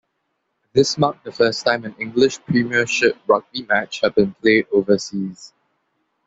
This marked the first time an English premiership rugby match had been played overseas.